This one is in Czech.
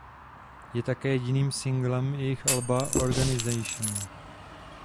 Je také jediným singlem jejich alba "Organisation".